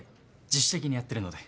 自主的にやってるので。